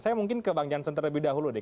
saya mungkin ke bang jansen terlebih dahulu deh